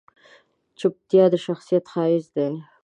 چپتیا، د شخصیت ښایست دی.